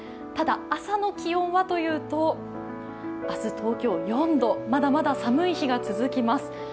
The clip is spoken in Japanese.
ただ朝の気温はというと明日東京４度まだまだ寒い日が続きます。